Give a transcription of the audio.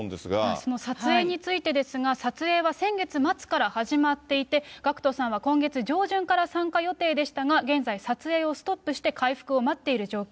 その撮影についてですが、撮影は先月末から始まっていて、ＧＡＣＫＴさんは今月上旬から参加予定でしたが、現在、撮影をストップして、回復を待っている状況。